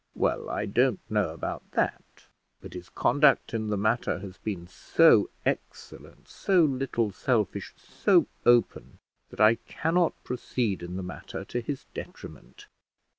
"Well, I don't know about that; but his conduct in the matter has been so excellent, so little selfish, so open, that I cannot proceed in the matter to his detriment."